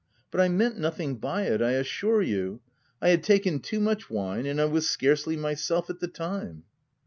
But I meant nothing by it, I assure you. I had taken too much wine, and I was scarcely myself, at the time."